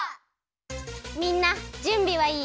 みんなじゅんびはいい？